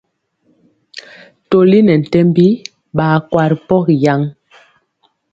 Toli nɛ ntɛmbi ɓaa kwa ri pogi yaŋ.